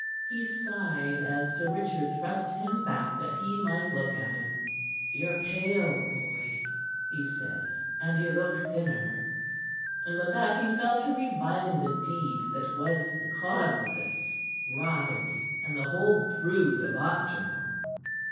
He sighed as Sir Richard thrust him back that he might look at him. "Ye're pale, boy," he said, "and ye look thinner." And with that he fell to reviling the deed that was the cause of this, Rotherby and the whole brood of Ostermore.